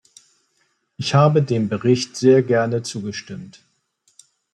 Ich habe dem Bericht sehr gerne zugestimmt.